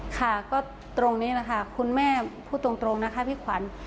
ค่ะก็ตรงนี้แหละค่ะคุณแม่พูดตรงนะคะพี่ขวัญ